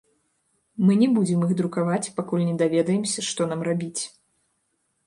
Мы не будзем іх друкаваць, пакуль не даведаемся, што нам рабіць.